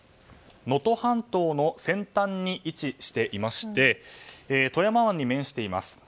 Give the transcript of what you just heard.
能登半島の先端に位置していまして富山湾に面しています。